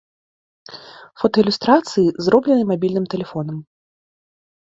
Фотаілюстрацыі зроблены мабільным тэлефонам.